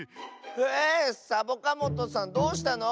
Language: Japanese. えサボカもとさんどうしたの？